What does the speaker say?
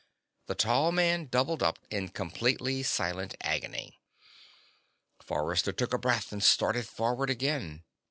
The tall man doubled up in completely silent agony. Forrester took a breath and started forward again.